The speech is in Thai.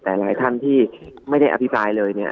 แต่หลายท่านที่ไม่ได้อภิปรายเลยเนี่ย